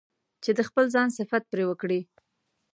چې د خپل ځان صفت پرې وکړي.